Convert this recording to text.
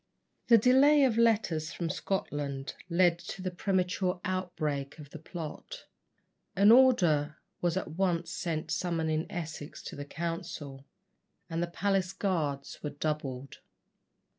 The delay of letters from Scotland led to the premature outbreak of the plot. An order was at once sent summoning Essex to the council, and the palace guards were doubled.